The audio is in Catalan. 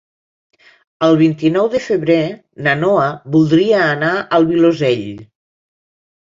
El vint-i-nou de febrer na Noa voldria anar al Vilosell.